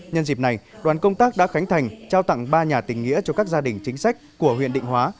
nhân dịp này đoàn công tác đã khánh thành trao tặng ba nhà tình nghĩa cho các gia đình chính sách của huyện định hóa